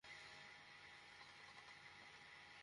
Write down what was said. পরে জানতে পারেন, তারা মাদক সেবন করে, তাই দেরিতে বাসায় আসে।